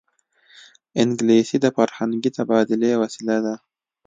انګلیسي د فرهنګي تبادلې وسیله ده